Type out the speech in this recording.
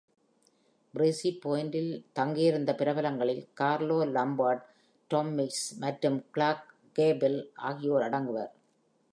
Breezy Point இல் தங்கியிருந்த பிரபலங்களில், Carole Lombard, Tom Mix மற்றும் Clark Gable ஆகியோர் அடங்குவர்.